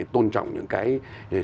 tôn trọng những cái